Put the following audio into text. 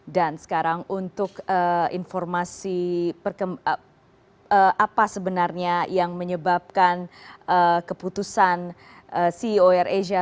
dan sekarang untuk informasi apa sebenarnya yang menyebabkan keputusan ceo air asia